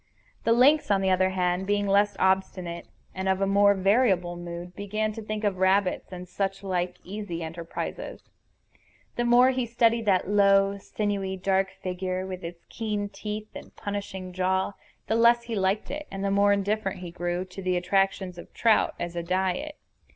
The lynx, on the other hand, being less obstinate and of more variable mood, began to think of rabbits and such like easy enterprises. The more he studied that low, sinewy, dark figure with its keen teeth and punishing jaw, the less he liked it, and the more indifferent he grew to the attractions of trout as a diet.